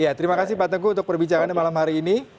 ya terima kasih pak tengku untuk perbincangan di malam hari ini